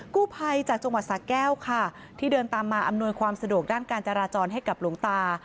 กู้ภัยจากจังหวัดสะแก้วค่ะที่เดินตามมาอำนวยความสะดวกด้านการจราจรให้กับหลวงตา